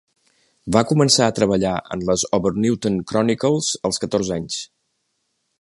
Va començar a treballar en les Obernewtyn Chronicles als catorze anys.